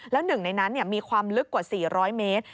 แล้วหนึ่งในนั้นมีความลึกกว่า๔๐๐เมตร